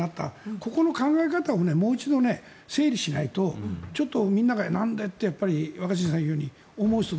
ここの考え方をもう一度整理しないとちょっとみんながなんだよって若新さんが言うように。